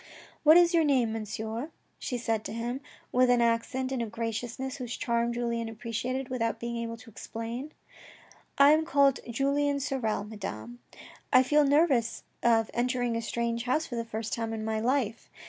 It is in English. " What is your name, Monsieur ?" she said to him, with an accent and a graciousness whose charm Julien appreciated without being able to explain. " I am called Julien Sorel, Madame. I feel nervous of entering a strange house for the first time in my life.